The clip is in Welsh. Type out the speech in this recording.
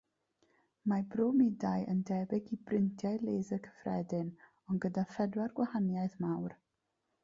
Mae bromidau yn debyg i brintiau laser cyffredin ond gyda phedwar gwahaniaeth mawr.